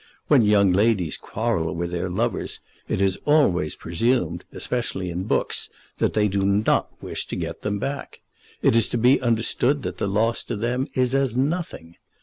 When young ladies quarrel with their lovers it is always presumed, especially in books, that they do not wish to get them back. It is to be understood that the loss to them is as nothing.